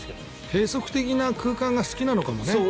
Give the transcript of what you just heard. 閉塞的な空間が好きなのかもね。